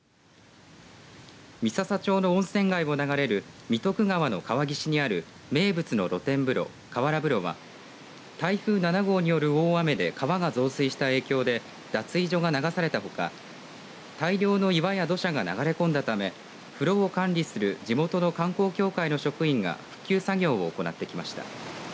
三朝町の温泉街を流れる三徳川の川岸にある名物の露天風呂、河原風呂は台風７号による大雨で川が増水した影響で脱衣所が流されたほか大量の岩や土砂が流れ込んだため風呂を管理する地元の観光協会の職員が復旧作業を行ってきました。